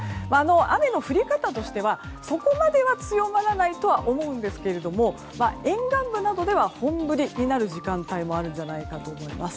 雨の降り方としてはそこまでは強まらないとは思うんですけれども沿岸部などでは本降りになる時間帯もあるんじゃないかと思います。